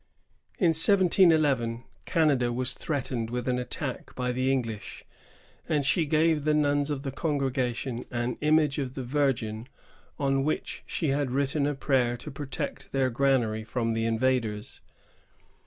In 1711, Canada was threatened with an attack by the English; and Mademoiselle Le Ber gave the nuns of the Congregation an image of the Virgin on which she had written a prayer to protect their granary from the invaders.